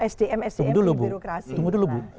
sdm sdm dulu birokrasi tunggu dulu bu